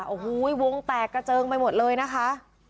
โอ้โหวงแตกกระเจิงไปหมดเลยนะคะ